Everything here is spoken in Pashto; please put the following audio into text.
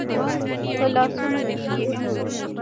په لاسونو کې یې